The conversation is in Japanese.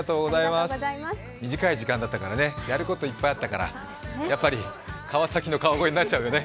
短い時間だったから、やることいっぱいあったからやっぱり、川崎の川越になっちゃうよね。